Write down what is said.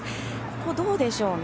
ここ、どうでしょうね。